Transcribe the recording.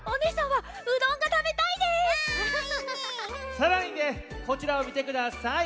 さらにねこちらをみてください。